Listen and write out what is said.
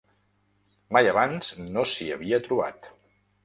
Mai abans no s'hi havia trobat.